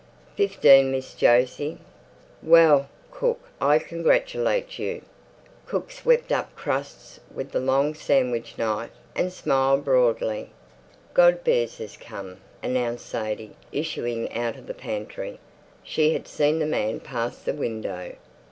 "Fifteen, Miss Jose." "Well, cook, I congratulate you." Cook swept up crusts with the long sandwich knife, and smiled broadly. "Godber's has come," announced Sadie, issuing out of the pantry. She had seen the man pass the window.